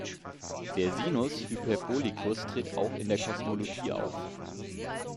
Der Sinus hyperbolicus tritt auch in der Kosmologie auf.